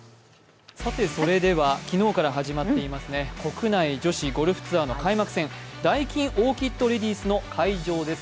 昨日から始まっています、国内女子ゴルフツアーの開幕戦、ダイキンオーキッドレディスの会場です。